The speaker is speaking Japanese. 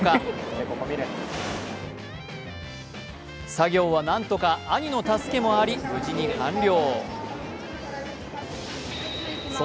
作業は何とか兄の助けもあり無事に完了